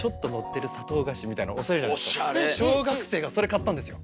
小学生がそれ買ったんですよ。